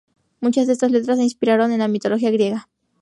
Muchas de estas letras se inspiraron en la mitología griega.